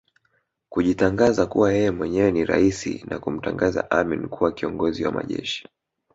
kujitangaza kuwa yeye mwenyewe ni raisi na kumtangaza Amin kuwa Kiongozi wa Majeshi